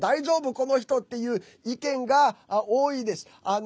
この人っていう意見が多いです。